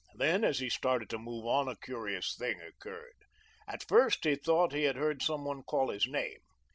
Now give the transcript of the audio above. Then, as he started to move on, a curious thing occurred. At first, he thought he had heard some one call his name.